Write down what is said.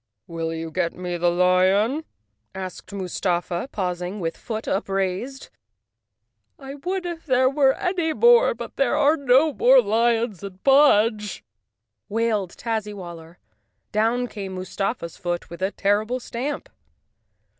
"Will you get me the lion?" asked Mustafa, paus¬ ing with foot upraised. "I would if there were any more, but there are no more lions in Mudge!" wailed Tazzy waller. Down came Mustafa's foot with a terrible stamp.